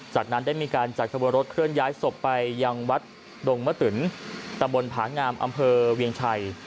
จากนั้นได้มีการจัดขบวนรถเคลื่อนย้ายศพไปยังวัดดงมะตึนตำบลผางามอำเภอเวียงชัย